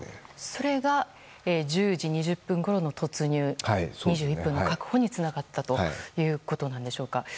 それが１０時２０分ごろの突入２１分の確保につながったということでしょうか。